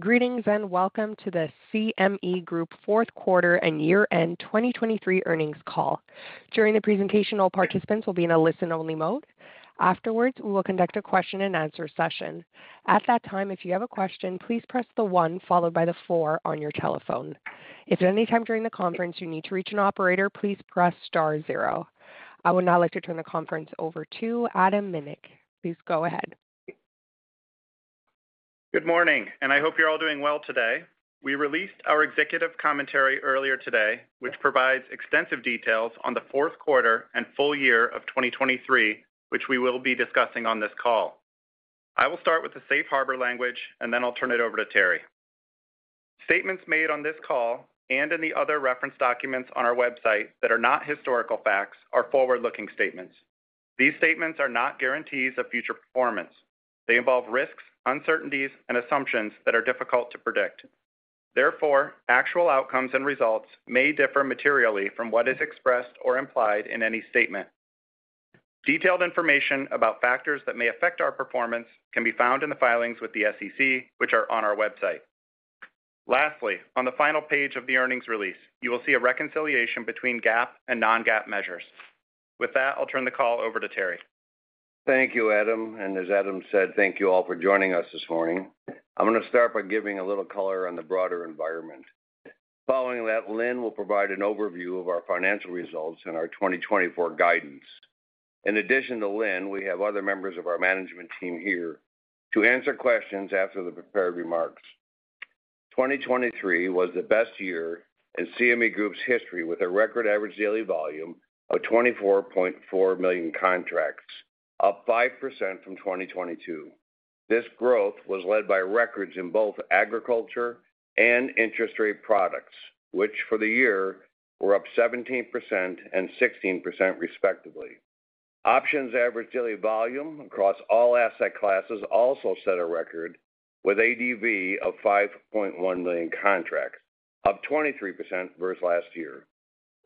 Greetings, and welcome to the CME Group Fourth Quarter and Year-End 2023 Earnings Call. During the presentation, all participants will be in a listen-only mode. Afterwards, we will conduct a question-and-answer session. At that time, if you have a question, please press the one followed by the four on your telephone. If at any time during the conference you need to reach an operator, please press star zero. I would now like to turn the conference over to Adam Minick. Please go ahead. Good morning, and I hope you're all doing well today. We released our executive commentary earlier today, which provides extensive details on the fourth quarter and full year of 2023, which we will be discussing on this call. I will start with the safe harbor language, and then I'll turn it over to Terry. Statements made on this call and in the other reference documents on our website that are not historical facts are forward-looking statements. These statements are not guarantees of future performance. They involve risks, uncertainties, and assumptions that are difficult to predict. Therefore, actual outcomes and results may differ materially from what is expressed or implied in any statement. Detailed information about factors that may affect our performance can be found in the filings with the SEC, which are on our website. Lastly, on the final page of the earnings release, you will see a reconciliation between GAAP and non-GAAP measures. With that, I'll turn the call over to Terry. Thank you, Adam, and as Adam said, thank you all for joining us this morning. I'm going to start by giving a little color on the broader environment. Following that, Lynne will provide an overview of our financial results and our 2024 guidance. In addition to Lynne, we have other members of our management team here to answer questions after the prepared remarks. 2023 was the best year in CME Group's history, with a record average daily volume of 24.4 million contracts, up 5% from 2022. This growth was led by records in both agriculture and interest rate products, which for the year were up 17% and 16%, respectively. Options average daily volume across all asset classes also set a record with ADV of 5.1 million contracts, up 23% versus last year.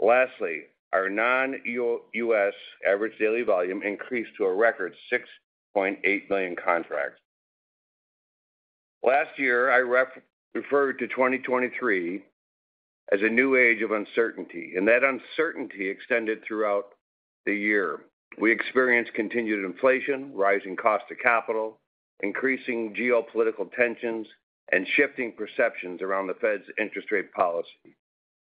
Lastly, our non-U.S. average daily volume increased to a record 6.8 million contracts. Last year, I referred to 2023 as a new age of uncertainty, and that uncertainty extended throughout the year. We experienced continued inflation, rising cost of capital, increasing geopolitical tensions, and shifting perceptions around the Fed's interest rate policy.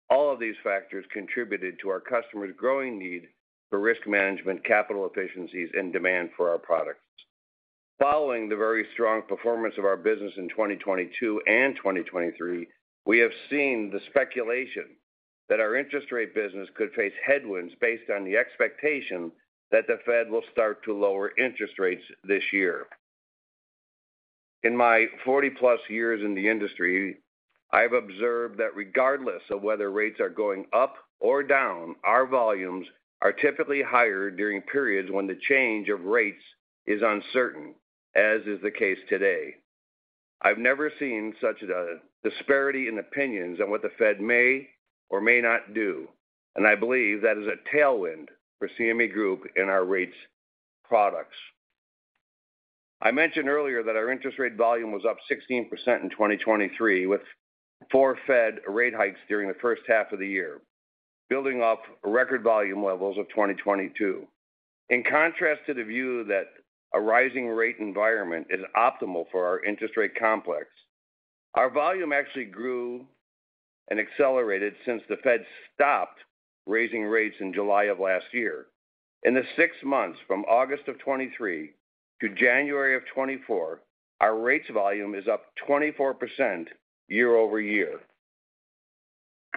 All of these factors contributed to our customers' growing need for risk management, capital efficiencies, and demand for our products. Following the very strong performance of our business in 2022 and 2023, we have seen the speculation that our interest rate business could face headwinds based on the expectation that the Fed will start to lower interest rates this year. In my 40+ years in the industry, I've observed that regardless of whether rates are going up or down, our volumes are typically higher during periods when the change of rates is uncertain, as is the case today. I've never seen such a disparity in opinions on what the Fed may or may not do, and I believe that is a tailwind for CME Group in our rates products. I mentioned earlier that our interest rate volume was up 16% in 2023, with four Fed rate hikes during the first half of the year, building off record volume levels of 2022. In contrast to the view that a rising rate environment is optimal for our interest rate complex, our volume actually grew and accelerated since the Fed stopped raising rates in July of last year. In the six months from August 2023 to January 2024, our rates volume is up 24% year-over-year.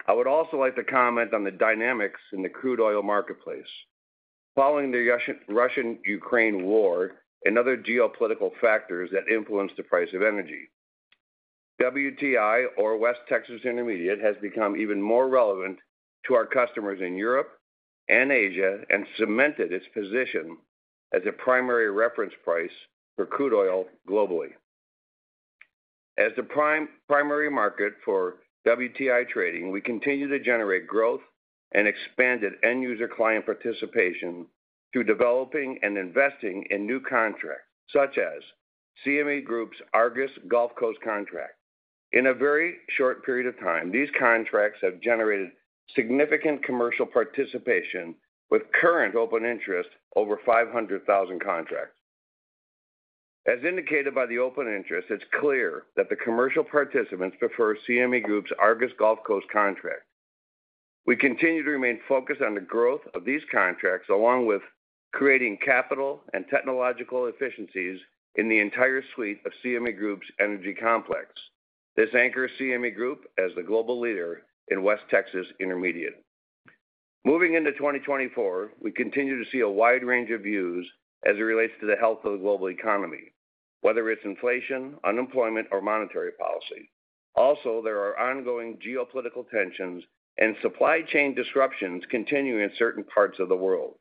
I would also like to comment on the dynamics in the crude oil marketplace. Following the Russia-Ukraine war and other geopolitical factors that influence the price of energy, WTI or West Texas Intermediate has become even more relevant to our customers in Europe and Asia and cemented its position as a primary reference price for crude oil globally. As the primary market for WTI trading, we continue to generate growth and expanded end-user client participation through developing and investing in new contracts, such as CME Group's Argus Gulf Coast contract. In a very short period of time, these contracts have generated significant commercial participation with current open interest over 500,000 contracts. As indicated by the open interest, it's clear that the commercial participants prefer CME Group's Argus Gulf Coast contract. We continue to remain focused on the growth of these contracts, along with creating capital and technological efficiencies in the entire suite of CME Group's energy complex. This anchors CME Group as the global leader in West Texas Intermediate. Moving into 2024, we continue to see a wide range of views as it relates to the health of the global economy, whether it's inflation, unemployment, or monetary policy. Also, there are ongoing geopolitical tensions, and supply chain disruptions continue in certain parts of the world.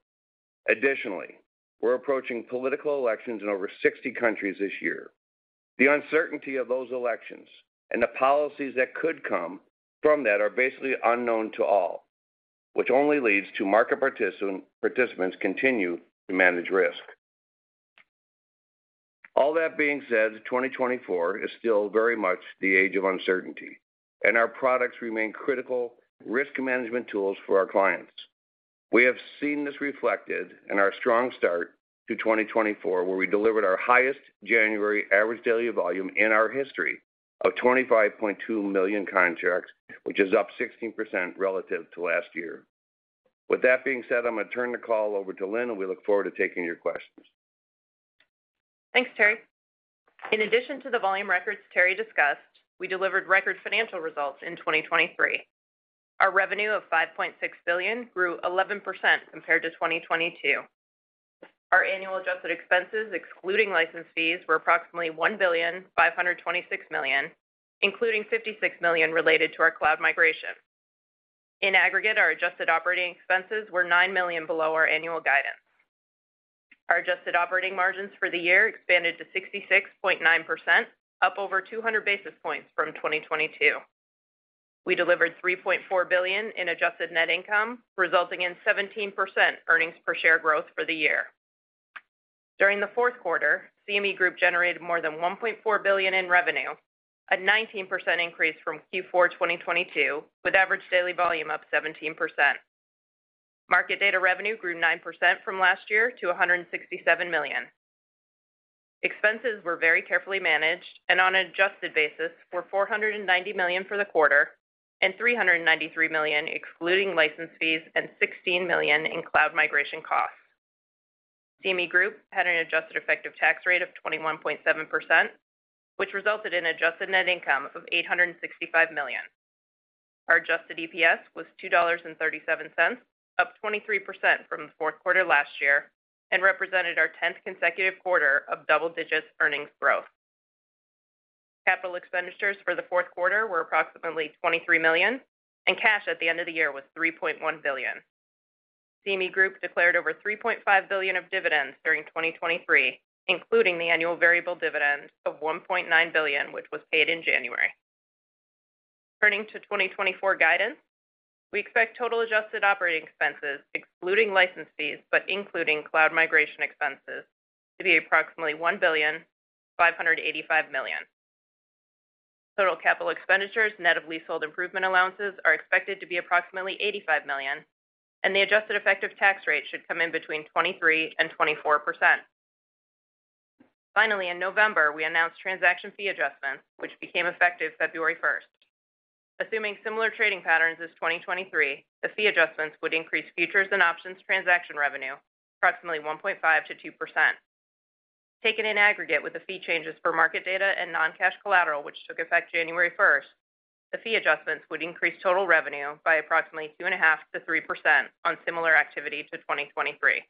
Additionally, we're approaching political elections in over 60 countries this year. The uncertainty of those elections and the policies that could come from that are basically unknown to all, which only leads to market participants continue to manage risk. All that being said, 2024 is still very much the age of uncertainty, and our products remain critical risk management tools for our clients. We have seen this reflected in our strong start to 2024, where we delivered our highest January average daily volume in our history of 25.2 million contracts, which is up 16% relative to last year. With that being said, I'm going to turn the call over to Lynne, and we look forward to taking your questions. Thanks, Terry. In addition to the volume records Terry discussed, we delivered record financial results in 2023. Our revenue of $5.6 billion grew 11% compared to 2022. Our annual adjusted expenses, excluding license fees, were approximately $1.526 billion, including $56 million related to our cloud migration. In aggregate, our adjusted operating expenses were $9 million below our annual guidance. Our adjusted operating margins for the year expanded to 66.9%, up over 200 basis points from 2022. We delivered $3.4 billion in adjusted net income, resulting in 17% earnings per share growth for the year. During the fourth quarter, CME Group generated more than $1.4 billion in revenue, a 19% increase from Q4 2022, with average daily volume up 17%. Market data revenue grew 9% from last year to $167 million. Expenses were very carefully managed and on an adjusted basis were $490 million for the quarter and $393 million, excluding license fees and $16 million in cloud migration costs. CME Group had an adjusted effective tax rate of 21.7%, which resulted in adjusted net income of $865 million. Our adjusted EPS was $2.37, up 23% from the fourth quarter last year and represented our tenth consecutive quarter of double-digit earnings growth. Capital expenditures for the fourth quarter were approximately $23 million, and cash at the end of the year was $3.1 billion. CME Group declared over $3.5 billion of dividends during 2023, including the annual variable dividend of $1.9 billion, which was paid in January. Turning to 2024 guidance, we expect total adjusted operating expenses, excluding license fees, but including cloud migration expenses, to be approximately $1.585 billion. Total capital expenditures, net of leasehold improvement allowances, are expected to be approximately $85 million, and the adjusted effective tax rate should come in between 23% and 24%. Finally, in November, we announced transaction fee adjustments, which became effective February 1. Assuming similar trading patterns as 2023, the fee adjustments would increase futures and options transaction revenue, approximately 1.5%-2%. Taken in aggregate with the fee changes for market data and non-cash collateral, which took effect January first, the fee adjustments would increase total revenue by approximately 2.5%-3% on similar activity to 2023.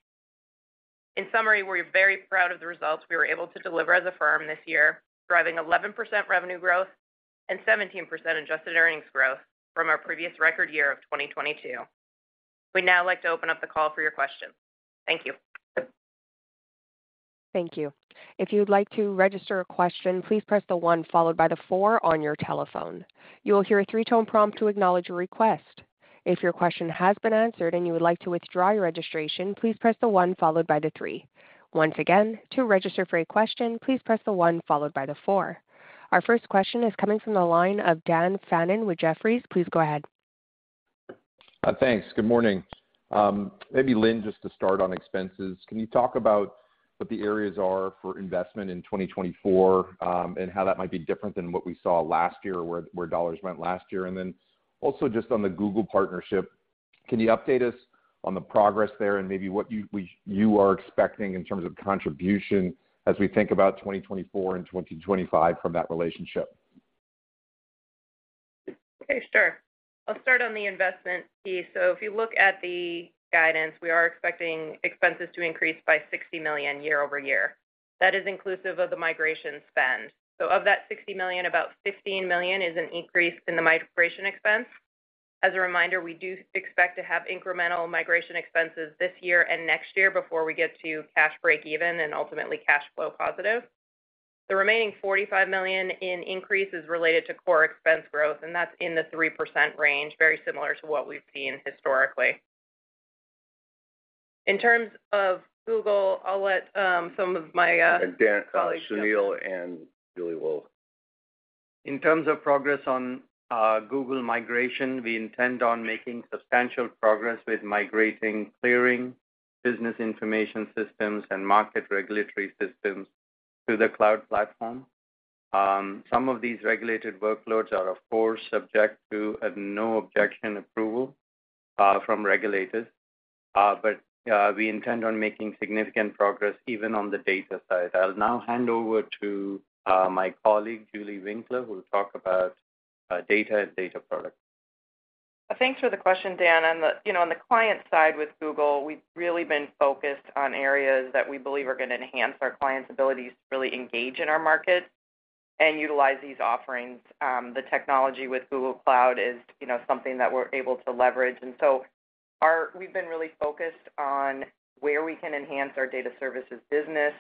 In summary, we're very proud of the results we were able to deliver as a firm this year, driving 11% revenue growth and 17% adjusted earnings growth from our previous record year of 2022. We'd now like to open up the call for your questions. Thank you. Thank you. If you'd like to register a question, please press the one followed by the four on your telephone. You will hear a three-tone prompt to acknowledge your request. If your question has been answered and you would like to withdraw your registration, please press the one followed by the three. Once again, to register for a question, please press the one followed by the four. Our first question is coming from the line of Dan Fannon with Jefferies. Please go ahead. Thanks. Good morning. Maybe, Lynne, just to start on expenses, can you talk about what the areas are for investment in 2024, and how that might be different than what we saw last year, where dollars went last year? And then also, just on the Google partnership, can you update us on the progress there and maybe what you, we, you are expecting in terms of contribution as we think about 2024 and 2025 from that relationship? Okay, sure. I'll start on the investment piece. So if you look at the guidance, we are expecting expenses to increase by $60 million year-over-year. That is inclusive of the migration spend. So of that $60 million, about $15 million is an increase in the migration expense. As a reminder, we do expect to have incremental migration expenses this year and next year before we get to cash breakeven and ultimately cash flow positive. The remaining $45 million in increase is related to core expense growth, and that's in the 3% range, very similar to what we've seen historically. In terms of Google, I'll let some of my colleagues- Dan, Sunil and Julie will. In terms of progress on Google migration, we intend on making substantial progress with migrating clearing business information systems and market regulatory systems to the cloud platform. Some of these regulated workloads are, of course, subject to a no objection approval from regulators, but we intend on making significant progress even on the data side. I'll now hand over to my colleague, Julie Winkler, who will talk about data and data products. Thanks for the question, Dan. On the client side with Google, we've really been focused on areas that we believe are going to enhance our clients' abilities to really engage in our market and utilize these offerings. The technology with Google Cloud is, you know, something that we're able to leverage. We've been really focused on where we can enhance our data services business,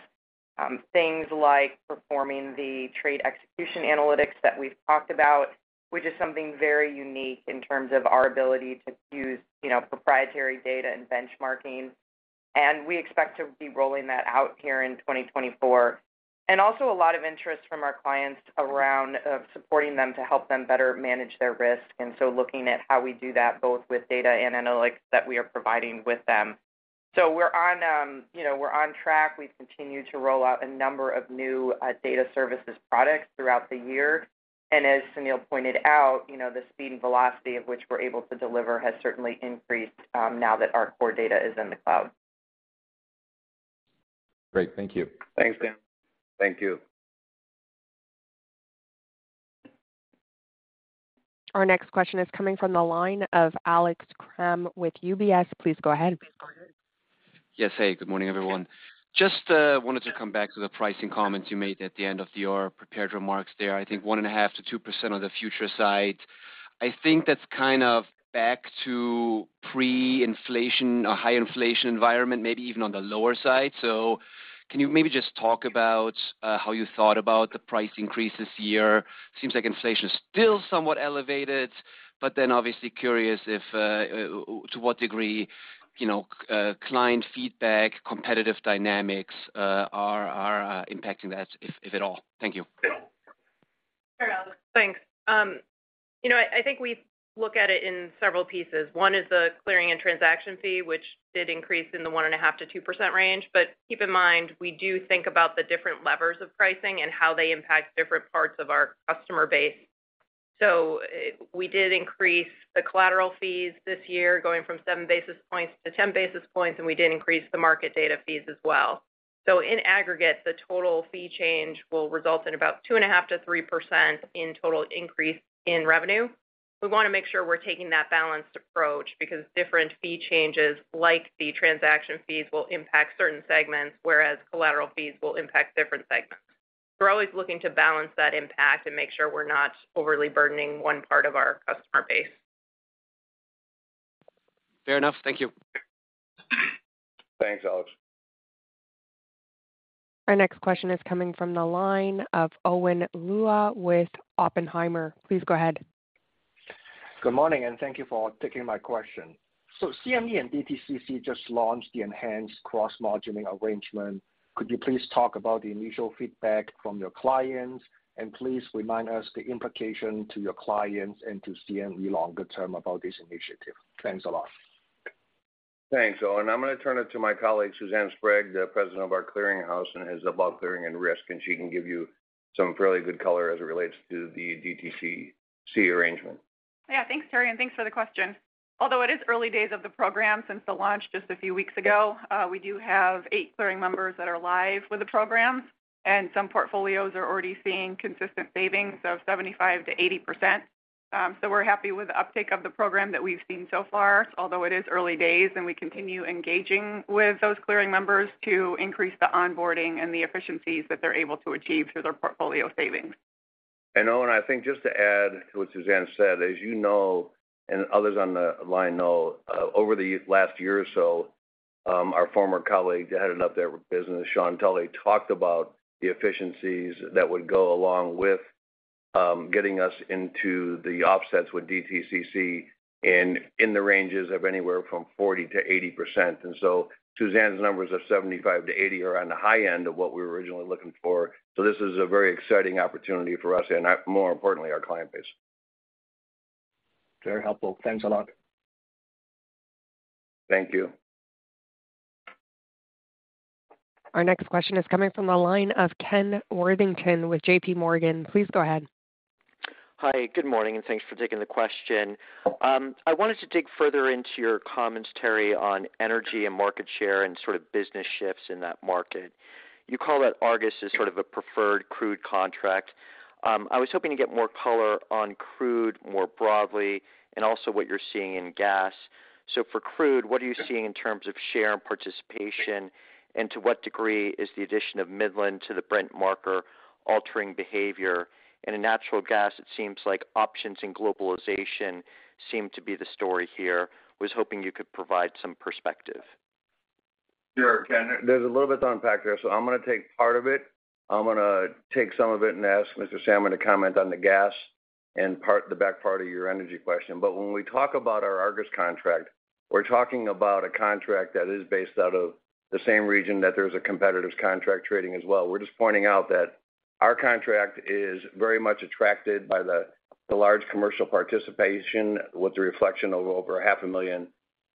things like performing the trade execution analytics that we've talked about, which is something very unique in terms of our ability to use, you know, proprietary data and benchmarking, and we expect to be rolling that out here in 2024. And also a lot of interest from our clients around of supporting them to help them better manage their risk, and so looking at how we do that, both with data and analytics that we are providing with them. So we're on, you know, we're on track. We've continued to roll out a number of new data services products throughout the year, and as Sunil pointed out, you know, the speed and velocity of which we're able to deliver has certainly increased, now that our core data is in the cloud. Great. Thank you. Thanks, Dan. Thank you. Our next question is coming from the line of Alex Kramm with UBS. Please go ahead. Yes. Hey, good morning, everyone. Just, wanted to come back to the pricing comments you made at the end of your prepared remarks there. I think 1.5%-2% on the futures side. I think that's kind of back to pre-inflation or high inflation environment, maybe even on the lower side. So can you maybe just talk about, how you thought about the price increase this year? Seems like inflation is still somewhat elevated, but then obviously curious if, to what degree, you know, client feedback, competitive dynamics, are, are, impacting that, if, if at all? Thank you. Sure, Alex. Thanks. You know, I think we look at it in several pieces. One is the clearing and transaction fee, which did increase in the 1.5%-2% range. But keep in mind, we do think about the different levers of pricing and how they impact different parts of our customer base. So we did increase the collateral fees this year, going from 7 basis points to 10 basis points, and we did increase the market data fees as well. So in aggregate, the total fee change will result in about 2.5%-3% in total increase in revenue. We want to make sure we're taking that balanced approach because different fee changes, like the transaction fees, will impact certain segments, whereas collateral fees will impact different segments. We're always looking to balance that impact and make sure we're not overly burdening one part of our customer base. Fair enough. Thank you. Thanks, Alex. Our next question is coming from the line of Owen Lau with Oppenheimer. Please go ahead. Good morning, and thank you for taking my question. CME and DTCC just launched the enhanced Cross-Margining arrangement. Could you please talk about the initial feedback from your clients? Please remind us the implication to your clients and to CME longer term about this initiative. Thanks a lot. Thanks, Owen. I'm going to turn it to my colleague, Suzanne Sprague, the President of our Clearinghouse, and is about clearing and risk, and she can give you some fairly good color as it relates to the DTCC arrangement. Yeah, thanks, Terry, and thanks for the question. Although it is early days of the program, since the launch just a few weeks ago, we do have eight clearing members that are live with the program, and some portfolios are already seeing consistent savings of 75%-80%. So we're happy with the uptake of the program that we've seen so far, although it is early days, and we continue engaging with those clearing members to increase the onboarding and the efficiencies that they're able to achieve through their portfolio savings. And Owen, I think just to add to what Suzanne said, as you know, and others on the line know, over the last year or so, our former colleague, heading up their business, Sean Tully, talked about the efficiencies that would go along with getting us into the offsets with DTCC and in the ranges of anywhere from 40%-80%. And so Suzanne's numbers of 75%-80% are on the high end of what we were originally looking for. So this is a very exciting opportunity for us and, more importantly, our client base. Very helpful. Thanks a lot. Thank you. Our next question is coming from the line of Ken Worthington with JPMorgan. Please go ahead. Hi, good morning, and thanks for taking the question. I wanted to dig further into your comments, Terry, on energy and market share and sort of business shifts in that market. You call that Argus as sort of a preferred crude contract. I was hoping to get more color on crude, more broadly, and also what you're seeing in gas. So for crude, what are you seeing in terms of share and participation? And to what degree is the addition of Midland to the Brent marker altering behavior? And in natural gas, it seems like options and globalization seem to be the story here. Was hoping you could provide some perspective. Sure, Ken. There's a little bit to unpack there, so I'm going to take part of it. I'm gonna take some of it and ask Mr. Sammann to comment on the gas and part—the back part of your energy question. But when we talk about our Argus contract, we're talking about a contract that is based out of the same region, that there's a competitive contract trading as well. We're just pointing out that our contract is very much attracted by the, the large commercial participation, with the reflection of over 500,000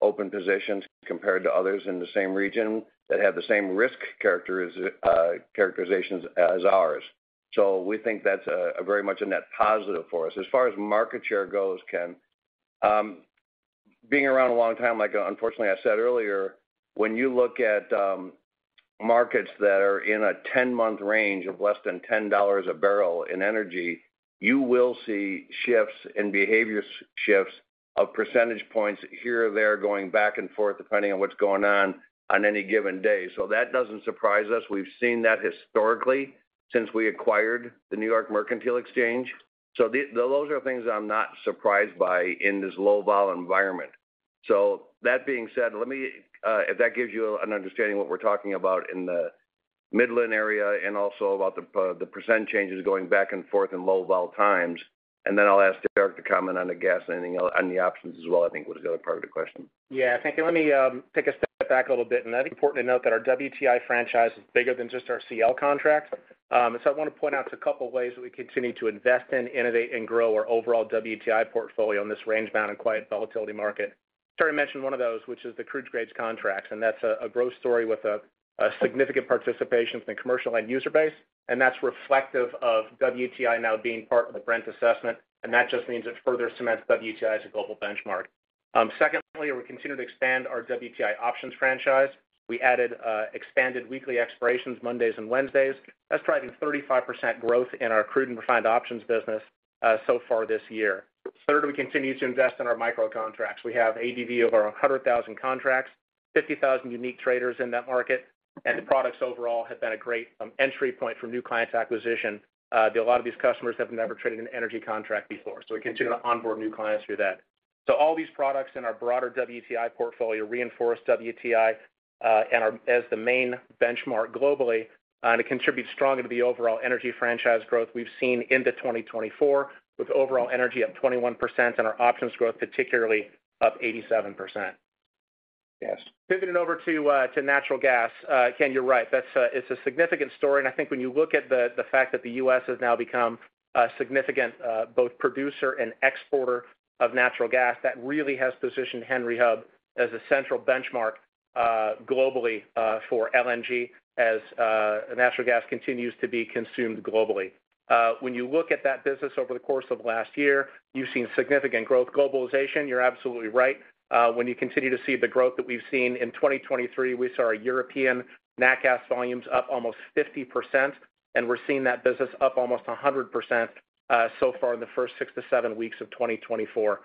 open positions compared to others in the same region that have the same risk characterizations as ours. So we think that's a very much a net positive for us. As far as market share goes, Ken, being around a long time, like unfortunately, I said earlier, when you look at, markets that are in a 10-month range of less than $10 a barrel in energy, you will see shifts and behavior shifts of percentage points here or there, going back and forth, depending on what's going on on any given day. So that doesn't surprise us. We've seen that historically since we acquired the New York Mercantile Exchange. So the... Those are things I'm not surprised by in this low vol environment.... So that being said, let me, if that gives you an understanding of what we're talking about in the Midland area and also about the percent changes going back and forth in low vol times, and then I'll ask Derek to comment on the gas and anything else, on the options as well, I think was the other part of the question. Yeah, thank you. Let me take a step back a little bit, and I think it's important to note that our WTI franchise is bigger than just our CL contract. So I want to point out a couple of ways that we continue to invest in, innovate, and grow our overall WTI portfolio in this range-bound and quiet volatility market. Terry mentioned one of those, which is the Crude Grades contracts, and that's a growth story with a significant participation from the commercial end user base, and that's reflective of WTI now being part of the Brent assessment, and that just means it further cements WTI as a global benchmark. Secondly, we continue to expand our WTI options franchise. We added expanded weekly expirations, Mondays and Wednesdays. That's driving 35% growth in our crude and refined options business so far this year. Third, we continue to invest in our micro contracts. We have ADV of around 100,000 contracts, 50,000 unique traders in that market, and the products overall have been a great entry point for new clients acquisition. A lot of these customers have never traded an energy contract before, so we continue to onboard new clients through that. So all these products in our broader WTI portfolio reinforce WTI, and as the main benchmark globally, and it contributes strongly to the overall energy franchise growth we've seen into 2024, with overall energy up 21% and our options growth, particularly, up 87%. Yes. Pivoting over to natural gas. Ken, you're right. That's—it's a significant story, and I think when you look at the fact that the U.S. has now become a significant both producer and exporter of natural gas, that really has positioned Henry Hub as a central benchmark globally for LNG, as natural gas continues to be consumed globally. When you look at that business over the course of last year, you've seen significant growth. Globalization, you're absolutely right. When you continue to see the growth that we've seen in 2023, we saw our European nat gas volumes up almost 50%, and we're seeing that business up almost 100%, so far in the first 6-7 weeks of 2024.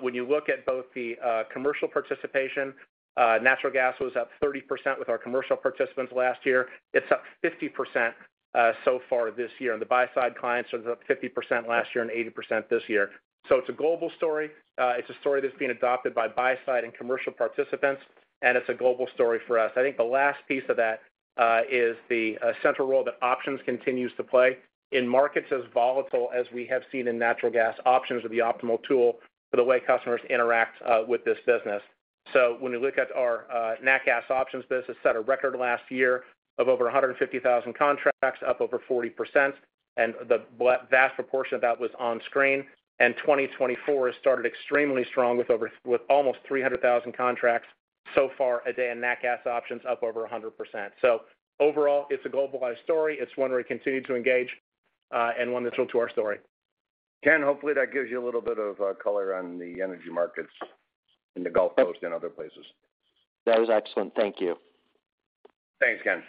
When you look at both the commercial participation, natural gas was up 30% with our commercial participants last year. It's up 50%, so far this year, and the buy-side clients are up 50% last year and 80% this year. So it's a global story. It's a story that's being adopted by buy side and commercial participants, and it's a global story for us. I think the last piece of that is the central role that options continues to play. In markets as volatile as we have seen in natural gas, options are the optimal tool for the way customers interact with this business. So when we look at our nat gas options business, it set a record last year of over 150,000 contracts, up over 40%, and the vast proportion of that was on screen, and 2024 has started extremely strong, with almost 300,000 contracts so far a day in nat gas options, up over 100%. So overall, it's a globalized story. It's one where we continue to engage, and one that's real to our story. Ken, hopefully that gives you a little bit of color on the energy markets in the Gulf Coast and other places. That was excellent. Thank you. Thanks, Ken.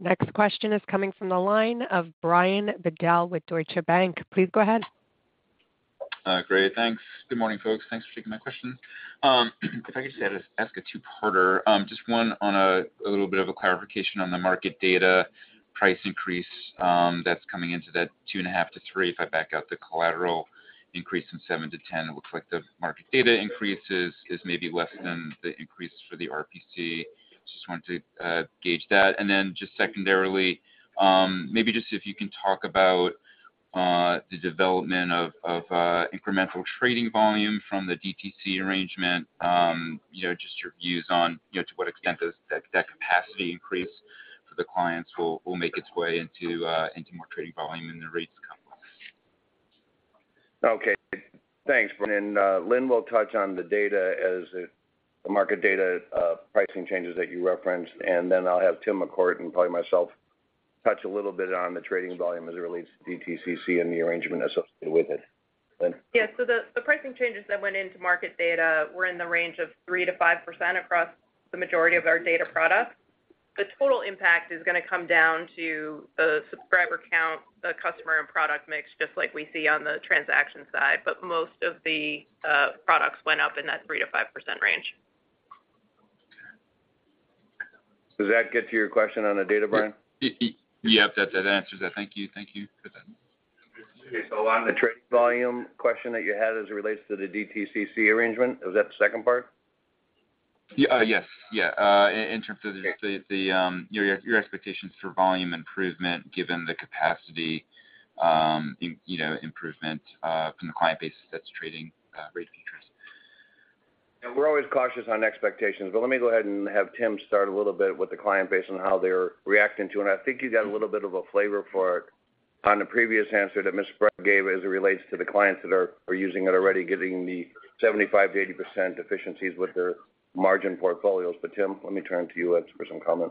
Next question is coming from the line of Brian Bedell with Deutsche Bank. Please go ahead. Great. Thanks. Good morning, folks. Thanks for taking my questions. If I could just ask a two-parter. Just one on a little bit of a clarification on the market data price increase that's coming into that 2.5-3. If I back out the collateral increase from 7-10, it looks like the market data increases is maybe less than the increase for the RPC. Just wanted to gauge that. And then just secondarily, maybe just if you can talk about the development of incremental trading volume from the DTCC arrangement. You know, just your views on, you know, to what extent does that capacity increase for the clients will make its way into more trading volume in the rates complex? Okay. Thanks, Brian. Lynne will touch on the data as the market data, pricing changes that you referenced, and then I'll have Tim McCourt and probably myself touch a little bit on the trading volume as it relates to DTCC and the arrangement associated with it. Lynne? Yeah, so the pricing changes that went into market data were in the range of 3%-5% across the majority of our data products. The total impact is gonna come down to the subscriber count, the customer and product mix, just like we see on the transaction side, but most of the products went up in that 3%-5% range. Okay. Does that get to your question on the data, Brian? Yeah, that, that answers it. Thank you. Thank you for that. On the trade volume question that you had as it relates to the DTCC arrangement, is that the second part? Yes. Yeah, in terms of your expectations for volume improvement given the capacity, you know, improvement from the client base that's trading rates of interest. And we're always cautious on expectations, but let me go ahead and have Tim start a little bit with the client base on how they're reacting to it. I think you got a little bit of a flavor for it on the previous answer that Ms. Sprague gave as it relates to the clients that are using it already, getting the 75%-80% efficiencies with their margin portfolios. But Tim, let me turn to you for some comment.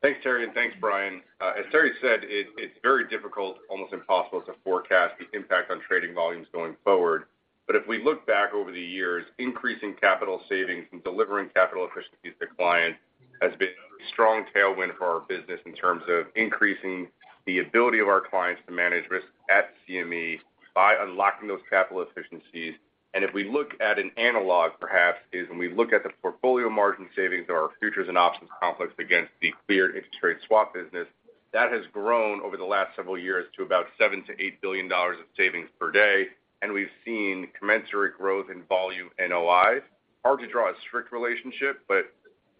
Thanks, Terry, and thanks, Bryan. As Terry said, it's very difficult, almost impossible, to forecast the impact on trading volumes going forward. But if we look back over the years, increasing capital savings and delivering capital efficiencies to clients has been a strong tailwind for our business in terms of increasing the ability of our clients to manage risk at CME by unlocking those capital efficiencies. And if we look at an analog, perhaps, is when we look at the portfolio margin savings or our futures and options complex against the cleared interest rate swap business that has grown over the last several years to about $7 billion-$8 billion of savings per day, and we've seen commensurate growth in volume NOIs. Hard to draw a strict relationship, but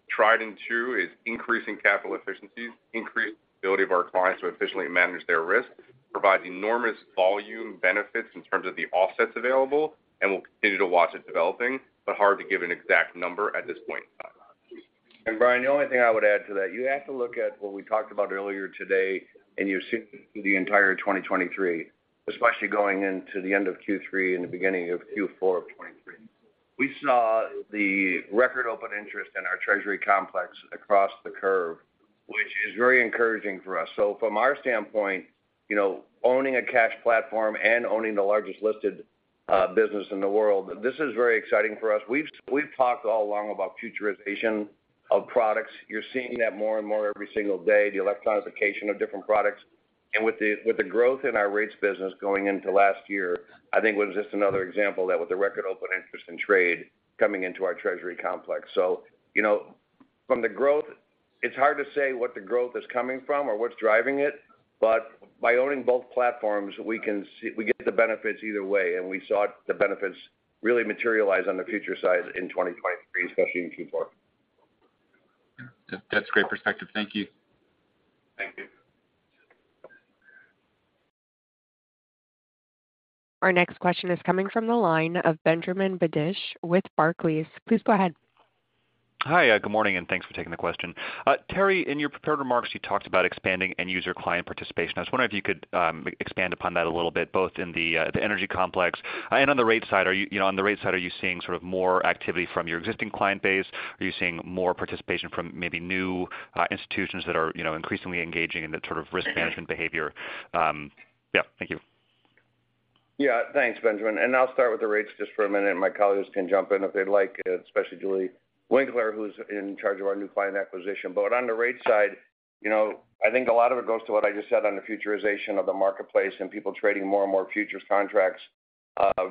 tried and true is increasing capital efficiencies, increasing the ability of our clients to efficiently manage their risk, provides enormous volume benefits in terms of the offsets available, and we'll continue to watch it developing, but hard to give an exact number at this point in time. Brian, the only thing I would add to that, you have to look at what we talked about earlier today, and you've seen the entire 2023, especially going into the end of Q3 and the beginning of Q4 of 2023. We saw the record Open Interest in our Treasury complex across the curve, which is very encouraging for us. So from our standpoint, you know, owning a cash platform and owning the largest listed business in the world, this is very exciting for us. We've, we've talked all along about Futurization of products. You're seeing that more and more every single day, the electronic of different products. And with the, with the growth in our rates business going into last year, I think was just another example that with the record Open Interest in trade coming into our Treasury complex. So, you know, from the growth, it's hard to say what the growth is coming from or what's driving it, but by owning both platforms, we can see, we get the benefits either way, and we saw the benefits really materialize on the future side in 2023, especially in Q4. That's great perspective. Thank you. Thank you. Our next question is coming from the line of Benjamin Budish with Barclays. Please go ahead. Hi, good morning, and thanks for taking the question. Terry, in your prepared remarks, you talked about expanding end user client participation. I was wondering if you could expand upon that a little bit, both in the energy complex and on the rate side. Are you... You know, on the rate side, are you seeing sort of more activity from your existing client base? Are you seeing more participation from maybe new institutions that are, you know, increasingly engaging in that sort of risk management behavior? Yeah. Thank you. Yeah. Thanks, Benjamin. I'll start with the rates just for a minute, and my colleagues can jump in if they'd like, especially Julie Winkler, who's in charge of our new client acquisition. But on the rate side, you know, I think a lot of it goes to what I just said on the futurization of the marketplace and people trading more and more futures contracts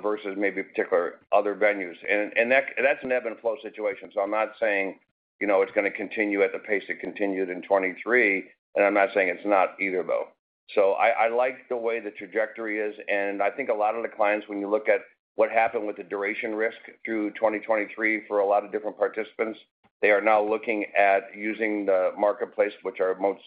versus maybe particular other venues. And that's an ebb and flow situation. So I'm not saying, you know, it's going to continue at the pace it continued in 2023, and I'm not saying it's not either, though. So I, I like the way the trajectory is, and I think a lot of the clients, when you look at what happened with the duration risk through 2023 for a lot of different participants, they are now looking at using the marketplace, which are the most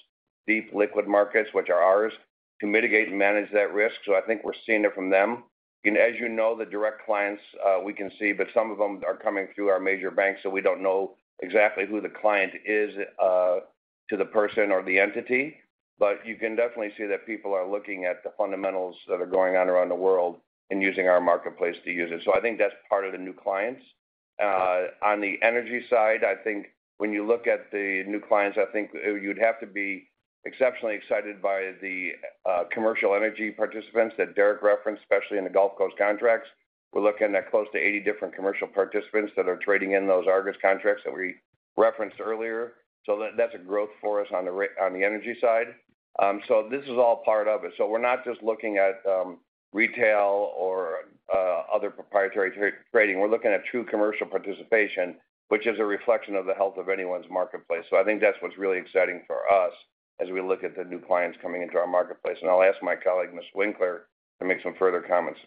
deep liquid markets, which are ours, to mitigate and manage that risk. So I think we're seeing it from them. And as you know, the direct clients, we can see, but some of them are coming through our major banks, so we don't know exactly who the client is, to the person or the entity. But you can definitely see that people are looking at the fundamentals that are going on around the world and using our marketplace to use it. So I think that's part of the new clients. On the energy side, I think when you look at the new clients, I think you'd have to be exceptionally excited by the commercial energy participants that Derek referenced, especially in the Gulf Coast contracts. We're looking at close to 80 different commercial participants that are trading in those Argus contracts that we referenced earlier. So that's a growth for us on the energy side. So this is all part of it. So we're not just looking at retail or other proprietary trading. We're looking at true commercial participation, which is a reflection of the health of anyone's marketplace. So I think that's what's really exciting for us as we look at the new clients coming into our marketplace. And I'll ask my colleague, Ms. Winkler, to make some further comments.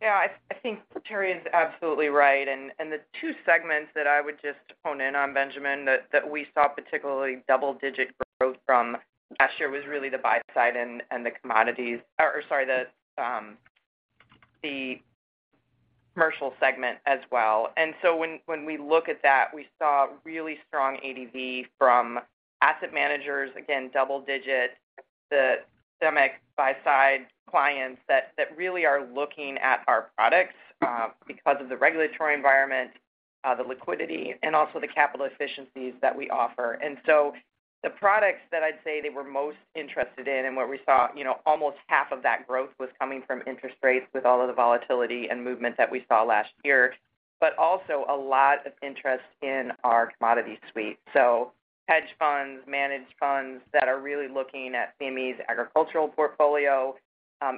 Yeah, I think Terry is absolutely right. And the two segments that I would just hone in on, Benjamin, that we saw particularly double-digit growth from last year was really the buy side and the commercial segment as well. And so when we look at that, we saw really strong ADV from asset managers, again, double digits, the systemic buy side clients that really are looking at our products because of the regulatory environment, the liquidity, and also the capital efficiencies that we offer. And so the products that I'd say they were most interested in and what we saw, you know, almost half of that growth was coming from interest rates, with all of the volatility and movement that we saw last year, but also a lot of interest in our commodity suite. So hedge funds, managed funds that are really looking at CME's agricultural portfolio,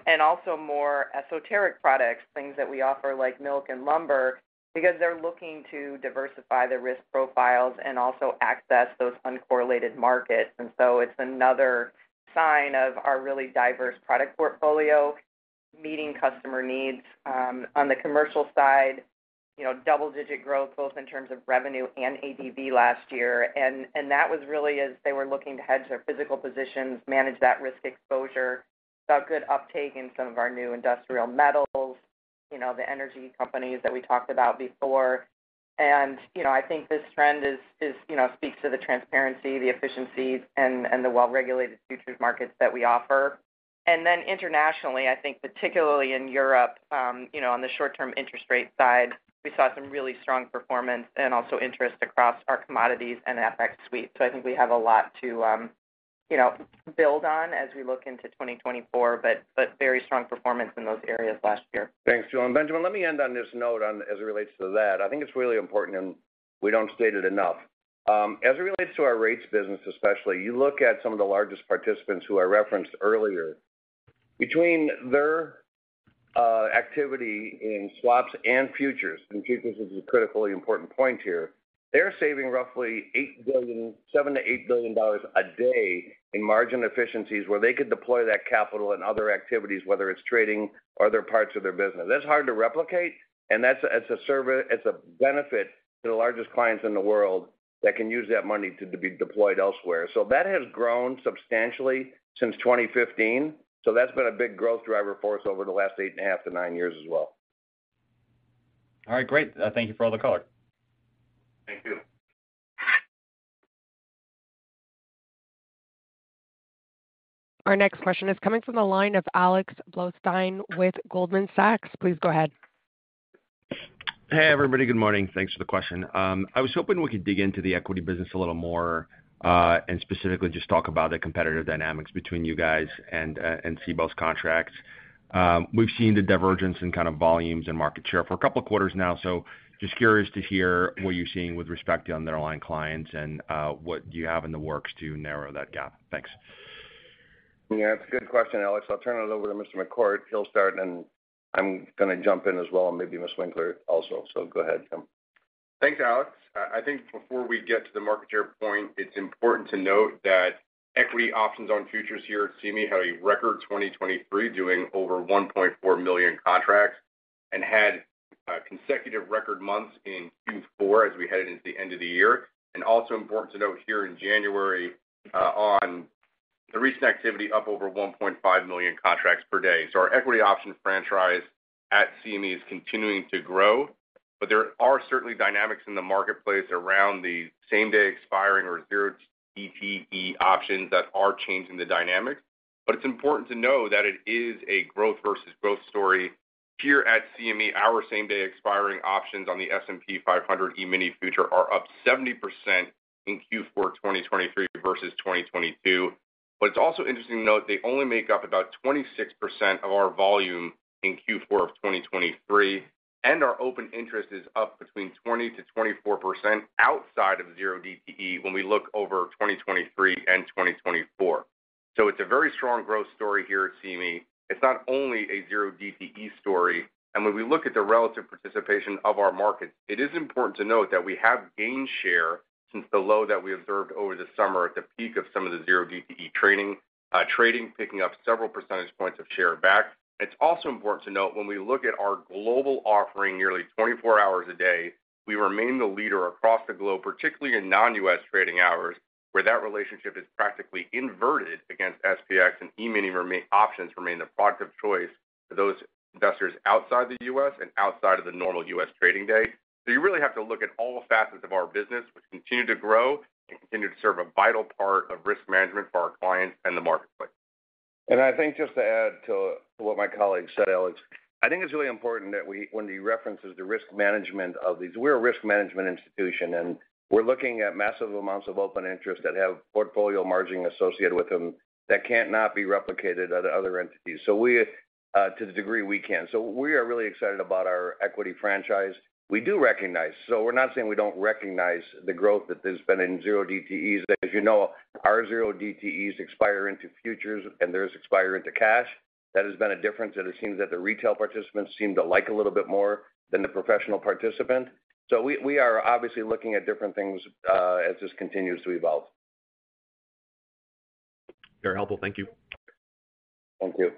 and also more esoteric products, things that we offer, like milk and lumber, because they're looking to diversify their risk profiles and also access those uncorrelated markets. And so it's another sign of our really diverse product portfolio, meeting customer needs, on the commercial side, you know, double-digit growth, both in terms of revenue and ADV last year. And that was really as they were looking to hedge their physical positions, manage that risk exposure, saw good uptake in some of our new industrial metals, you know, the energy companies that we talked about before. And, you know, I think this trend is, you know, speaks to the transparency, the efficiencies, and the well-regulated futures markets that we offer. Then internationally, I think particularly in Europe, you know, on the short-term interest rate side, we saw some really strong performance and also interest across our commodities and FX suite. So I think we have a lot to, you know, build on as we look into 2024, but, but very strong performance in those areas last year. Thanks, Julie. And Benjamin, let me end on this note on as it relates to that. I think it's really important, and we don't state it enough. As it relates to our rates business, especially, you look at some of the largest participants who I referenced earlier. Between their activity in swaps and futures, and futures is a critically important point here, they're saving roughly $7 billion-$8 billion a day in margin efficiencies, where they could deploy that capital in other activities, whether it's trading or other parts of their business. That's hard to replicate, and that's, it's a service, it's a benefit to the largest clients in the world that can use that money to, to be deployed elsewhere. So that has grown substantially since 2015. So that's been a big growth driver for us over the last 8.5-9 years as well. All right, great. Thank you for all the color. Thank you. Our next question is coming from the line of Alex Blostein with Goldman Sachs. Please go ahead. Hey, everybody. Good morning. Thanks for the question. I was hoping we could dig into the equity business a little more, and specifically just talk about the competitive dynamics between you guys and, and Cboe's contracts. We've seen the divergence in kind of volumes and market share for a couple of quarters now, so just curious to hear what you're seeing with respect to underlying clients and, what you have in the works to narrow that gap. Thanks. Yeah, that's a good question, Alex. I'll turn it over to Mr. McCourt. He'll start, and I'm gonna jump in as well, and maybe Ms. Winkler also. So go ahead, Tim. Thanks, Alex. I think before we get to the market share point, it's important to note that equity options on futures here at CME had a record 2023, doing over 1.4 million contracts, and had consecutive record months in Q4 as we headed into the end of the year. And also important to note here in January, on the recent activity, up over 1.5 million contracts per day. So our equity option franchise at CME is continuing to grow, but there are certainly dynamics in the marketplace around the same-day expiring or zero DTE options that are changing the dynamics. But it's important to know that it is a growth versus growth story. Here at CME, our same-day expiring options on the S&P 500 E-mini futures are up 70% in Q4, 2023 versus 2022. But it's also interesting to note they only make up about 26% of our volume in Q4 of 2023, and our open interest is up between 20%-24% outside of zero DTE when we look over 2023 and 2024. So it's a very strong growth story here at CME. It's not only a zero DTE story, and when we look at the relative participation of our markets, it is important to note that we have gained share since the low that we observed over the summer at the peak of some of the zero DTE trading picking up several percentage points of share back. It's also important to note, when we look at our global offering nearly 24 hours a day, we remain the leader across the globe, particularly in non-U.S. trading hours, where that relationship is practically inverted against SPX and E-mini options remain the product of choice for those investors outside the U.S. and outside of the normal U.S. trading day. So you really have to look at all facets of our business, which continue to grow and continue to serve a vital part of risk management for our clients and the marketplace. I think just to add to what my colleague said, Alex, I think it's really important that we, when he references the risk management of these, we're a risk management institution, and we're looking at massive amounts of open interest that have portfolio margin associated with them that can't not be replicated at other entities. So we, to the degree we can. So we are really excited about our equity franchise. We do recognize. So we're not saying we don't recognize the growth that there's been in zero DTEs. As you know, our zero DTEs expire into futures, and theirs expire into cash. That has been a difference, that it seems that the retail participants seem to like a little bit more than the professional participant. So we are obviously looking at different things as this continues to evolve. Very helpful. Thank you. Thank you.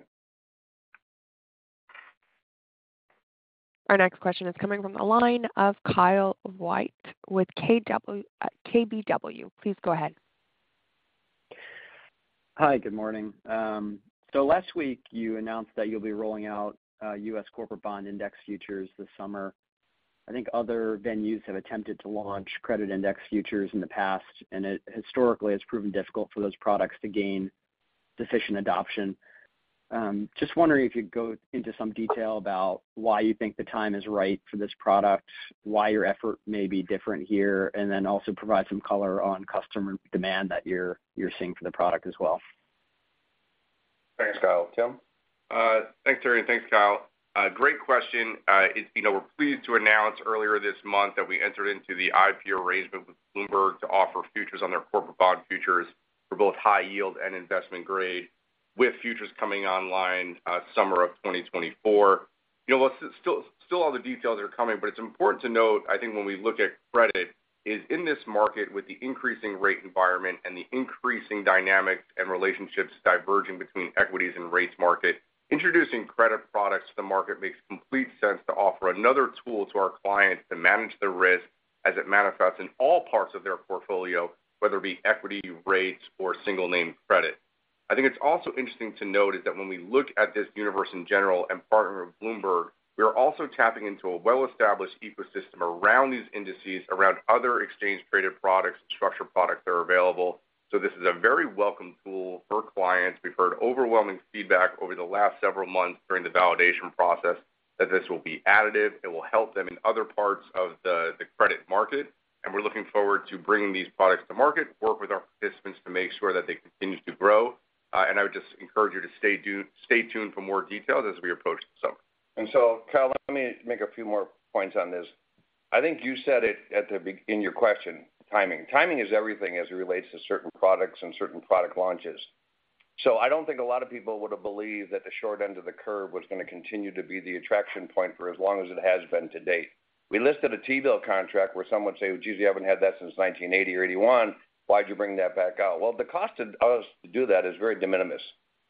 Our next question is coming from the line of Kyle Voigt with KW-, KBW. Please go ahead. Hi, good morning. So last week, you announced that you'll be rolling out, U.S. corporate bond index futures this summer. I think other venues have attempted to launch credit index futures in the past, and it historically has proven difficult for those products to gain sufficient adoption. Just wondering if you'd go into some detail about why you think the time is right for this product, why your effort may be different here, and then also provide some color on customer demand that you're, you're seeing for the product as well. Thanks, Kyle. Tim? Thanks, Terry, and thanks, Kyle. A great question. You know, we're pleased to announce earlier this month that we entered into the IPO arrangement with Bloomberg to offer futures on their corporate bond index futures for both high yield and investment grade, with futures coming online, summer of 2024. You know, still all the details are coming, but it's important to note, I think, when we look at credit, is in this market, with the increasing rate environment and the increasing dynamics and relationships diverging between equities and rates market, introducing credit products to the market makes complete sense to offer another tool to our clients to manage their risk as it manifests in all parts of their portfolio, whether it be equity, rates, or single-name credit. I think it's also interesting to note is that when we look at this universe in general and partnering with Bloomberg, we are also tapping into a well-established ecosystem around these indices, around other exchange-traded products and structured products that are available. So this is a very welcome tool for clients. We've heard overwhelming feedback over the last several months during the validation process that this will be additive. It will help them in other parts of the credit market, and we're looking forward to bringing these products to market, work with our participants to make sure that they continue to grow. And I would just encourage you to stay tuned for more details as we approach the summer. So, Kyle, let me make a few more points on this. I think you said it at the beginning in your question, timing. Timing is everything as it relates to certain products and certain product launches. So I don't think a lot of people would have believed that the short end of the curve was gonna continue to be the attraction point for as long as it has been to date. We listed a T-bill contract where someone would say, "Geez, you haven't had that since 1980 or 1981. Why'd you bring that back out?" Well, the cost of us to do that is very de minimis,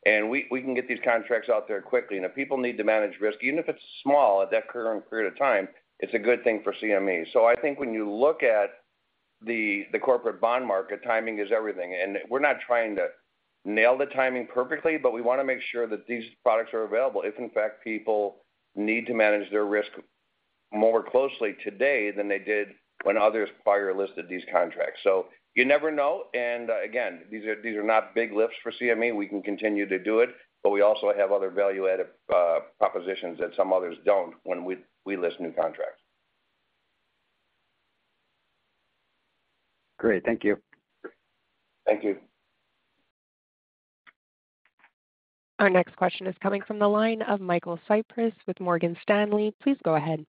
and we can get these contracts out there quickly. And if people need to manage risk, even if it's small, at that current period of time, it's a good thing for CME. So I think when you look at the corporate bond market, timing is everything. We're not trying to nail the timing perfectly, but we wanna make sure that these products are available, if in fact, people need to manage their risk more closely today than they did when others prior listed these contracts. So you never know, and again, these are not big lifts for CME. We can continue to do it, but we also have other value-added propositions that some others don't when we list new contracts. Great. Thank you. Thank you. Our next question is coming from the line of Michael Cyprys with Morgan Stanley. Please go ahead.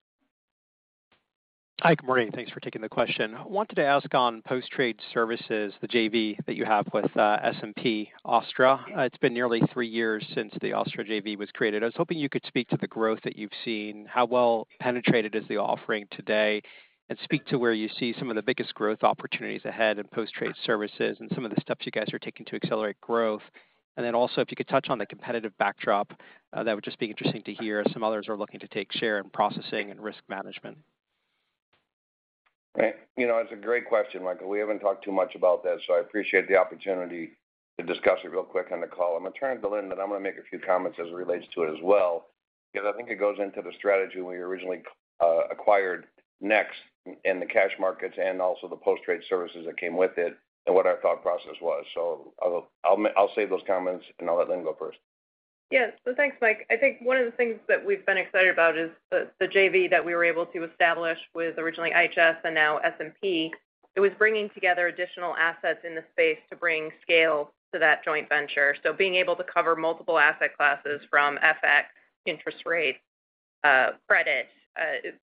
Hi, good morning. Thanks for taking the question. I wanted to ask on Post Trade Services, the JV that you have with S&P Global. It's been nearly three years since the Global JV was created. I was hoping you could speak to the growth that you've seen, how well penetrated is the offering today, and speak to where you see some of the biggest growth opportunities ahead in Post Trade Services and some of the steps you guys are taking to accelerate growth. And then also, if you could touch on the competitive backdrop, that would just be interesting to hear, as some others are looking to take share in processing and risk management. Right. You know, that's a great question, Michael. We haven't talked too much about that, so I appreciate the opportunity to discuss it real quick on the call. I'm gonna turn to Lynne, but I'm gonna make a few comments as it relates to it as well, because I think it goes into the strategy when we originally acquired NEX in the cash markets and also the Post Trade Services that came with it and what our thought process was. So I'll save those comments, and I'll let Lynne go first. Yes. So thanks, Mike. I think one of the things that we've been excited about is the, the JV that we were able to establish with originally IHS and now S&P. It was bringing together additional assets in the space to bring scale to that joint venture. So being able to cover multiple asset classes from FX, interest rate, credit,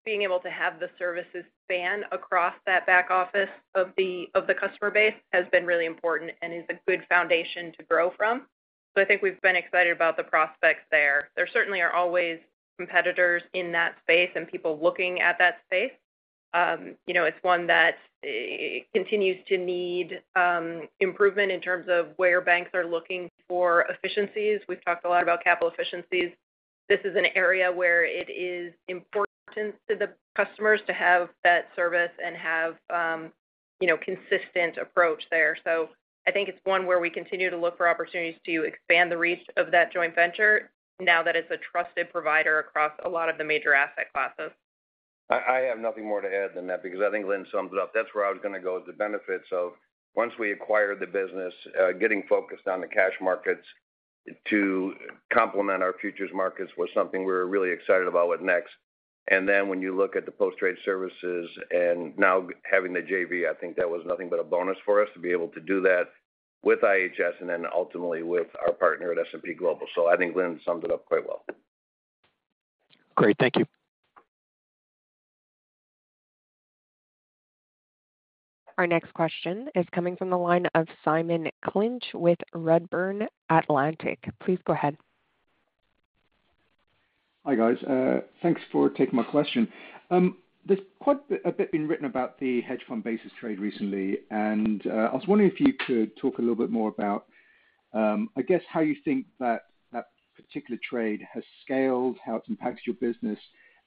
being able to have the services span across that back office of the, of the customer base, has been really important and is a good foundation to grow from. So I think we've been excited about the prospects there. There certainly are always competitors in that space and people looking at that space. You know, it's one that continues to need improvement in terms of where banks are looking for efficiencies. We've talked a lot about capital efficiencies. This is an area where it is important to the customers to have that service and have, you know, consistent approach there. So I think it's one where we continue to look for opportunities to expand the reach of that joint venture, now that it's a trusted provider across a lot of the major asset classes. I have nothing more to add than that because I think Lynne summed it up. That's where I was gonna go, the benefits of once we acquired the business, getting focused on the cash markets to complement our futures markets was something we're really excited about with NEX. And then when you look at the Post Trade Services and now having the JV, I think that was nothing but a bonus for us to be able to do that with IHS and then ultimately with our partner at S&P Global. So I think Lynne summed it up quite well. Great. Thank you. Our next question is coming from the line of Simon Clinch with Redburn Atlantic. Please go ahead. Hi, guys. Thanks for taking my question. There's quite a bit been written about the hedge fund basis trade recently, and I was wondering if you could talk a little bit more about, I guess, how you think that that particular trade has scaled, how it's impacted your business,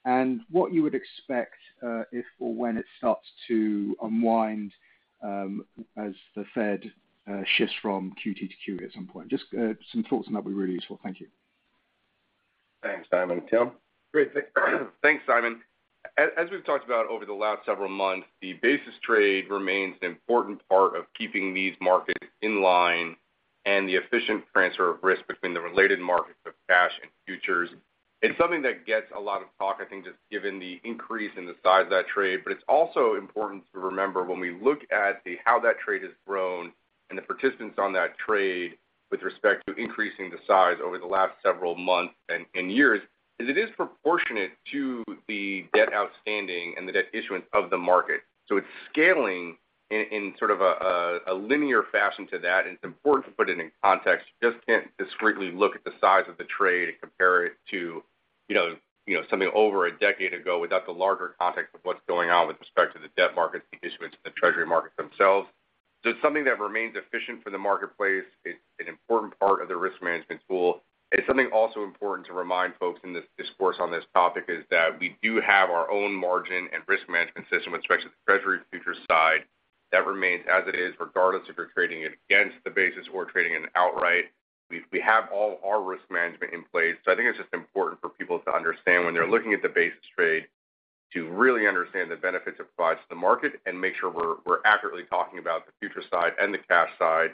and what you would expect, if or when it starts to unwind, as the Fed shifts from QT to QE at some point. Just some thoughts on that would be really useful. Thank you. Thanks, Simon. Tim? Great. Thanks, Simon. As, as we've talked about over the last several months, the basis trade remains an important part of keeping these markets in line and the efficient transfer of risk between the related markets of cash and futures. It's something that gets a lot of talk, I think, just given the increase in the size of that trade, but it's also important to remember when we look at the how that trade has grown and the participants on that trade with respect to increasing the size over the last several months and, and years, is it is proportionate to the debt outstanding and the debt issuance of the market. So it's scaling in, in sort of a, a, a linear fashion to that, and it's important to put it in context. You just can't discretely look at the size of the trade and compare it to, you know, you know, something over a decade ago without the larger context of what's going on with respect to the debt markets, the issuance and the Treasury markets themselves. So it's something that remains efficient for the marketplace. It's an important part of the risk management tool. Something also important to remind folks in this discourse on this topic is that we do have our own margin and risk management system, with respect to the Treasury futures side, that remains as it is, regardless if you're trading it against the basis or trading it outright. We have all our risk management in place, so I think it's just important for people to understand, when they're looking at the basis trade, to really understand the benefits it provides to the market and make sure we're accurately talking about the futures side and the cash side.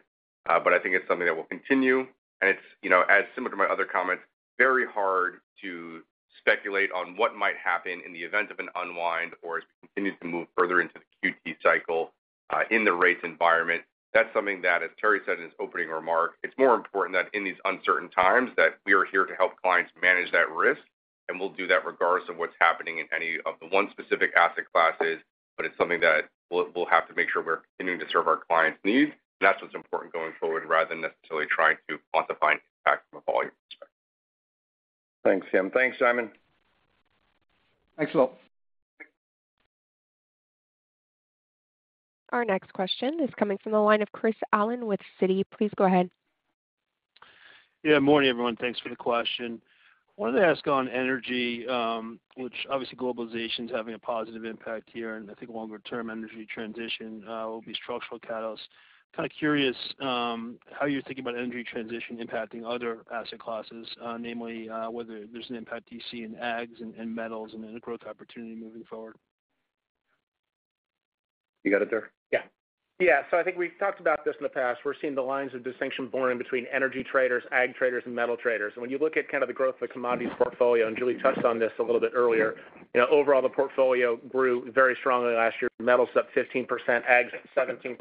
But I think it's something that will continue, and it's, you know, as similar to my other comments, very hard to speculate on what might happen in the event of an unwind or as it continues to move further into the QT cycle in the rates environment, that's something that, as Terry said in his opening remark, it's more important that in these uncertain times, that we are here to help clients manage that risk, and we'll do that regardless of what's happening in any of the one specific asset classes, but it's something that we'll, we'll have to make sure we're continuing to serve our clients' needs. That's what's important going forward, rather than necessarily trying to quantify an impact from a volume perspective. Thanks, Tim. Thanks, Simon. Thanks a lot. Our next question is coming from the line of Chris Allen with Citi. Please go ahead. Yeah, morning, everyone. Thanks for the question. Wanted to ask on energy, which obviously globalization's having a positive impact here, and I think longer-term energy transition will be structural catalyst. Kind of curious, how you're thinking about energy transition impacting other asset classes, namely, whether there's an impact you see in ags and metals and then a growth opportunity moving forward? You got it, Derek? Yeah. Yeah, so I think we've talked about this in the past. We're seeing the lines of distinction blurring between energy traders, ag traders, and metal traders. And when you look at kind of the growth of the commodities portfolio, and Julie touched on this a little bit earlier, you know, overall, the portfolio grew very strongly last year. Metals up 15%, ags, 17%.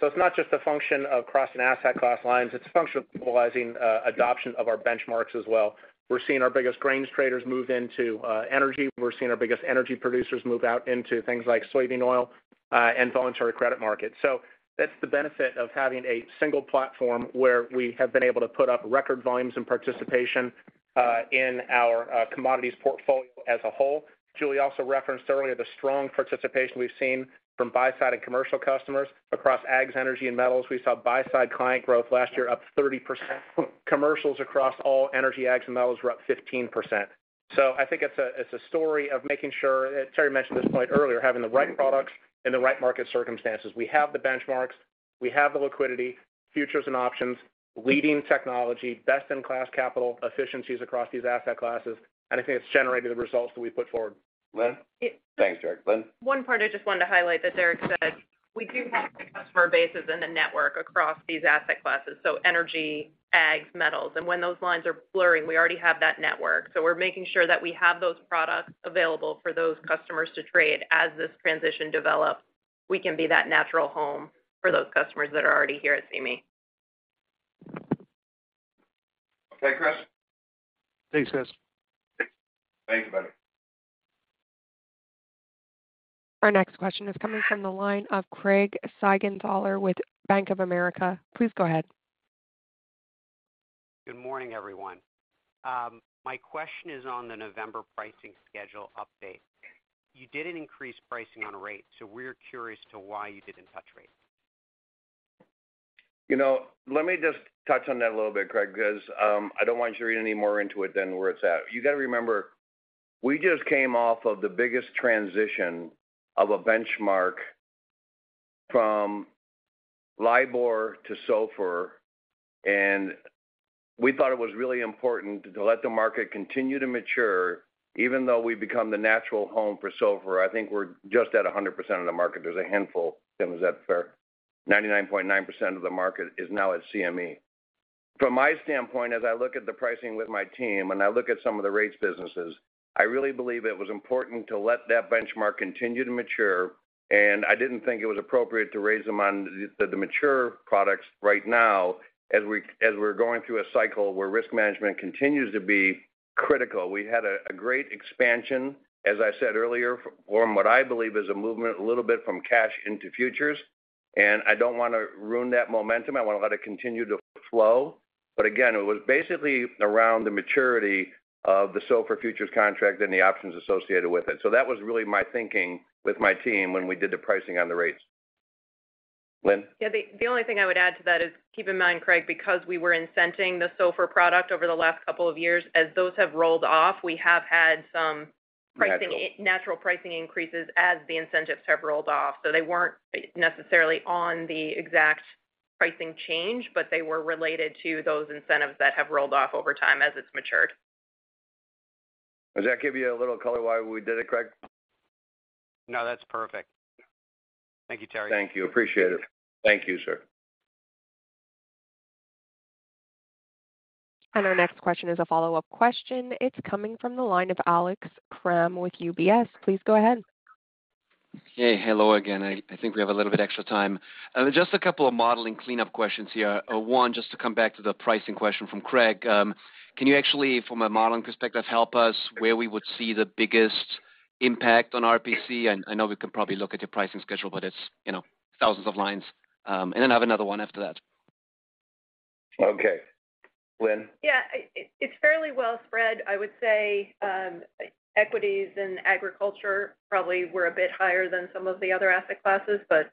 So it's not just a function of crossing asset class lines, it's a function of symbolizing adoption of our benchmarks as well. We're seeing our biggest grains traders move into energy. We're seeing our biggest energy producers move out into things like soybean oil and voluntary credit markets. So that's the benefit of having a single platform where we have been able to put up record volumes and participation in our commodities portfolio as a whole. Julie also referenced earlier the strong participation we've seen from buy-side and commercial customers across ags, energy, and metals. We saw buy-side client growth last year, up 30%. Commercials across all energy, ags, and metals were up 15%. So I think it's a, it's a story of making sure, Terry mentioned this point earlier, having the right products in the right market circumstances. We have the benchmarks, we have the liquidity, futures and options, leading technology, best-in-class capital efficiencies across these asset classes, and I think it's generated the results that we've put forward. Lynne? Thanks, Derek. Lynne? One part I just wanted to highlight that Derek said, we do have customer bases in the network across these asset classes, so energy, ags, metals. When those lines are blurring, we already have that network, so we're making sure that we have those products available for those customers to trade. As this transition develops, we can be that natural home for those customers that are already here at CME. Okay, Chris. Thanks, guys. Thanks, buddy. Our next question is coming from the line of Craig Siegenthaler with Bank of America. Please go ahead. Good morning, everyone. My question is on the November pricing schedule update. You didn't increase pricing on rates, so we're curious to why you didn't touch rates. You know, let me just touch on that a little bit, Craig, because I don't want you to read any more into it than where it's at. You got to remember, we just came off of the biggest transition of a benchmark from LIBOR to SOFR, and we thought it was really important to let the market continue to mature. Even though we've become the natural home for SOFR, I think we're just at 100% of the market. There's a handful, Tim, is that fair? 99.9% of the market is now at CME. From my standpoint, as I look at the pricing with my team and I look at some of the rates businesses, I really believe it was important to let that benchmark continue to mature, and I didn't think it was appropriate to raise them on the mature products right now, as we're going through a cycle where risk management continues to be critical. We had a great expansion, as I said earlier, from what I believe is a movement, a little bit from cash into futures, and I don't want to ruin that momentum. I want to let it continue to flow. But again, it was basically around the maturity of the SOFR futures contract and the options associated with it. So that was really my thinking with my team when we did the pricing on the rates. Lynne? Yeah, the only thing I would add to that is keep in mind, Craig, because we were incenting the SOFR product over the last couple of years, as those have rolled off, we have had some- Natural.... pricing, natural pricing increases as the incentives have rolled off. So they weren't necessarily on the exact pricing change, but they were related to those incentives that have rolled off over time as it's matured. Does that give you a little color why we did it, Craig? No, that's perfect. Thank you, Terry. Thank you. Appreciate it. Thank you, sir. Our next question is a follow-up question. It's coming from the line of Alex Kramm with UBS. Please go ahead. Hey, hello again. I think we have a little bit extra time. Just a couple of modeling cleanup questions here. One, just to come back to the pricing question from Craig. Can you actually, from a modeling perspective, help us where we would see the biggest impact on RPC? And I know we can probably look at your pricing schedule, but it's, you know, thousands of lines. And then I have another one after that. Okay. Lynne? Yeah, it's fairly well spread. I would say, equities and agriculture probably were a bit higher than some of the other asset classes, but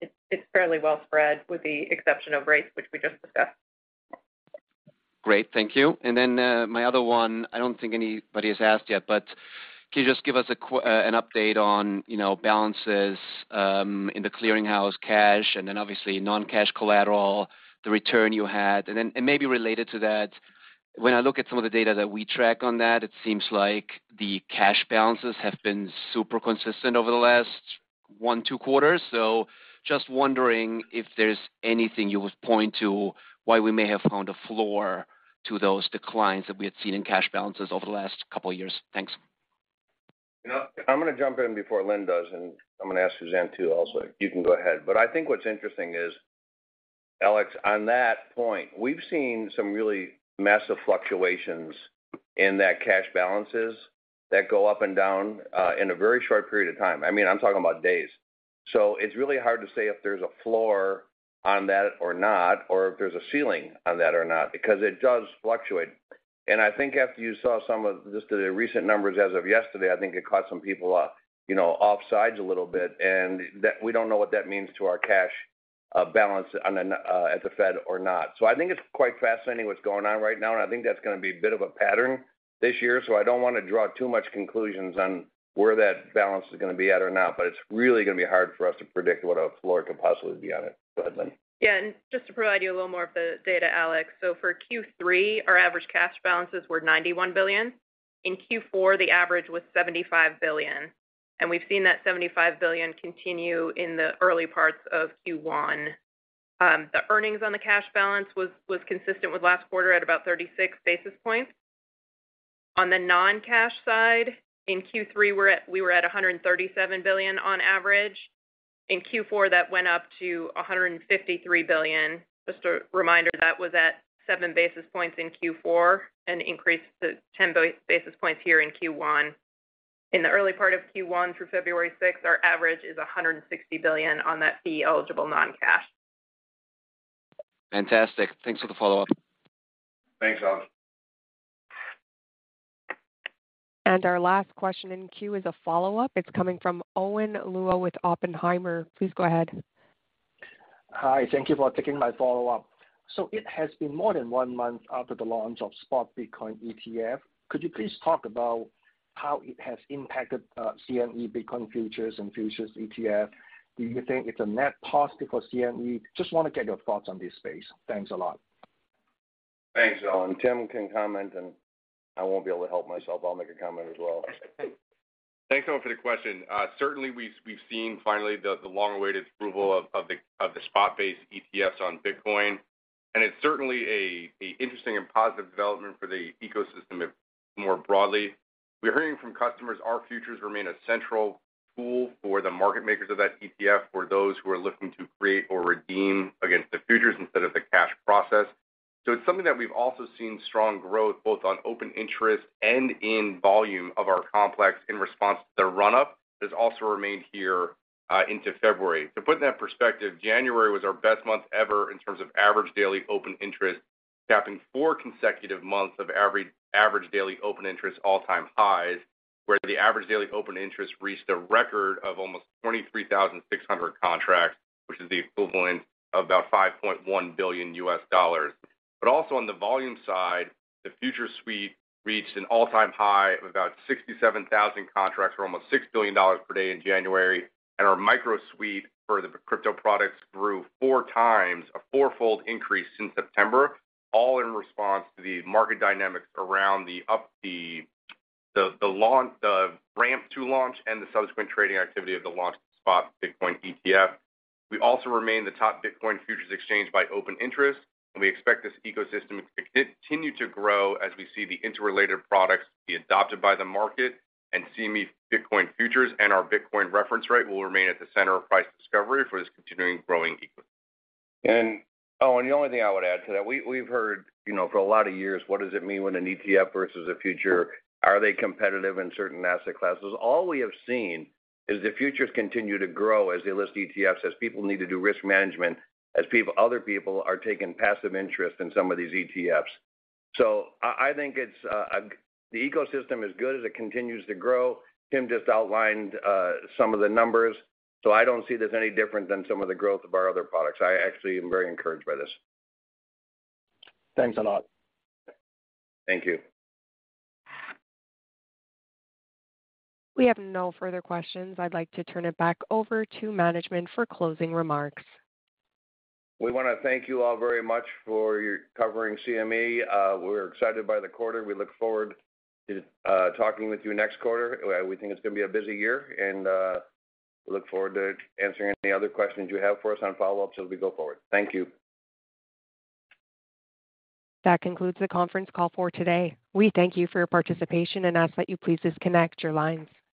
it's fairly well spread, with the exception of rates, which we just discussed. Great. Thank you. And then, my other one, I don't think anybody has asked yet, but can you just give us an update on, you know, balances in the clearinghouse, cash, and then obviously non-cash collateral, the return you had? And then, and maybe related to that, when I look at some of the data that we track on that, it seems like the cash balances have been super consistent over the last one, two quarters. So just wondering if there's anything you would point to why we may have found a floor to those declines that we had seen in cash balances over the last couple of years. Thanks. You know, I'm going to jump in before Lynne does, and I'm going to ask Suzanne, too, also. You can go ahead. But I think what's interesting is, Alex, on that point, we've seen some really massive fluctuations in that cash balances that go up and down in a very short period of time. I mean, I'm talking about days. So it's really hard to say if there's a floor on that or not, or if there's a ceiling on that or not, because it does fluctuate. And I think after you saw some of just the recent numbers as of yesterday, I think it caught some people off, you know, off sides a little bit, and that we don't know what that means to our cash balance at the Fed or not. So I think it's quite fascinating what's going on right now, and I think that's going to be a bit of a pattern this year, so I don't want to draw too much conclusions on where that balance is going to be at or not, but it's really going to be hard for us to predict what a floor could possibly be on it. Go ahead, Lynne. Yeah, and just to provide you a little more of the data, Alex. So for Q3, our average cash balances were $91 billion. In Q4, the average was $75 billion, and we've seen that $75 billion continue in the early parts of Q1. The earnings on the cash balance was consistent with last quarter at about 36 basis points. On the non-cash side, in Q3, we were at $137 billion on average. In Q4, that went up to $153 billion. Just a reminder, that was at 7 basis points in Q4, an increase to 10 basis points here in Q1. In the early part of Q1, through February sixth, our average is $160 billion on that fee-eligible non-cash. Fantastic. Thanks for the follow-up. Thanks, Alex. Our last question in queue is a follow-up. It's coming from Owen Lau with Oppenheimer. Please go ahead. Hi, thank you for taking my follow-up. So it has been more than one month after the launch of spot Bitcoin ETF. Could you please talk about how it has impacted, CME Bitcoin futures and futures ETF? Do you think it's a net positive for CME? Just want to get your thoughts on this space. Thanks a lot. Thanks, Owen. Tim can comment, and I won't be able to help myself. I'll make a comment as well. Thanks, Owen, for the question. Certainly we've seen finally the long-awaited approval of the spot-based ETFs on Bitcoin, and it's certainly a interesting and positive development for the ecosystem more broadly. We're hearing from customers, our futures remain a central tool for the market makers of that ETF, for those who are looking to create or redeem against the futures instead of the cash process. So it's something that we've also seen strong growth, both on open interest and in volume of our complex in response to the run-up, that has also remained here into February. To put that in perspective, January was our best month ever in terms of average daily open interest, capping four consecutive months of average daily open interest all-time highs, where the average daily open interest reached a record of almost 23,600 contracts, which is the equivalent of about $5.1 billion. But also on the volume side, the futures suite reached an all-time high of about 67,000 contracts, or almost $6 billion per day in January. And our Micro suite for the crypto products grew four times, a fourfold increase since September, all in response to the market dynamics around the launch, the ramp to launch and the subsequent trading activity of the launch of the spot Bitcoin ETF. We also remain the top Bitcoin futures exchange by open interest, and we expect this ecosystem to continue to grow as we see the interrelated products be adopted by the market and CME Bitcoin futures. And our Bitcoin Reference Rate will remain at the center of price discovery for this continuing growing ecosystem. And, Owen, the only thing I would add to that, we, we've heard, you know, for a lot of years, what does it mean when an ETF versus a future? Are they competitive in certain asset classes? All we have seen is the futures continue to grow as they list ETFs, as people need to do risk management, as people-- other people are taking passive interest in some of these ETFs. So I, I think it's The ecosystem is good, as it continues to grow. Tim just outlined some of the numbers, so I don't see this any different than some of the growth of our other products. I actually am very encouraged by this. Thanks a lot. Thank you. We have no further questions. I'd like to turn it back over to management for closing remarks. We want to thank you all very much for your covering CME. We're excited by the quarter. We look forward to talking with you next quarter. We think it's going to be a busy year, and look forward to answering any other questions you have for us on follow-ups as we go forward. Thank you. That concludes the conference call for today. We thank you for your participation and ask that you please disconnect your lines.